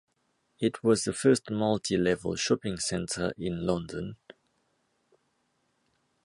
It was the first multi-level shopping centre in London.